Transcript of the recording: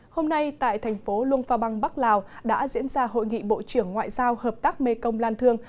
hôm nay tại thành phố luông pha băng bắc lào đã diễn ra hội nghị bộ trưởng ngoại giao hợp tác mê công lan thương